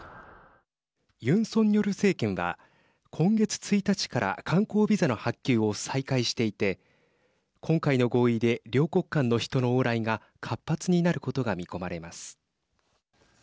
ユン・ソンニョル政権が今月１日から観光ビザの発給を再開していて今回の合意で両国間の人の往来が活発になることが見込まれます。